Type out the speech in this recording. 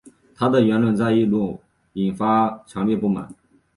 他的言论在印度引发强烈不满。